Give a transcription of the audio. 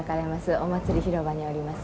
お祭り広場におります。